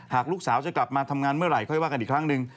ลูกสาวจะกลับมาทำงานเมื่อไหร่ค่อยว่ากันอีกครั้งหนึ่ง